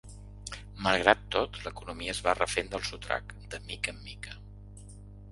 Malgrat tot, l’economia es va refent del sotrac, de mica en mica.